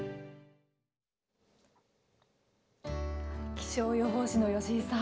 気象予報士の吉井さん。